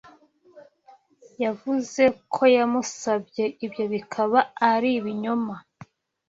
Yavuze ko yamusanze, ibyo bikaba ari ibinyoma.